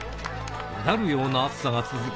うだるような暑さが続く